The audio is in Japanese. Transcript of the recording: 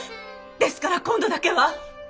ですから今度だけは！